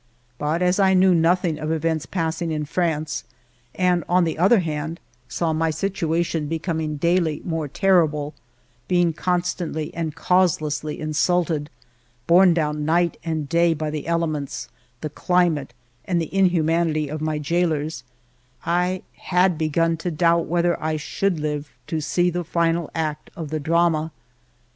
But as I knew nothing of events passing in France, and on the other hand saw my situation becoming daily more terrible, being constantly and causelessly insulted, borne down night and day by the elements, the climate, and the inhumanity of my jailers, I had begun to doubt whether I should live to see the final act of the drama.